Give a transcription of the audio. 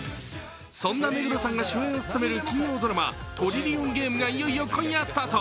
そんな目黒さんが主演を務める金曜ドラマ「トリリオンゲーム」がいよいよ今夜スタート。